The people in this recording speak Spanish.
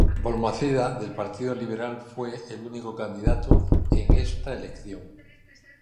Balmaceda, del Partido Liberal, fue el único candidato en esta elección.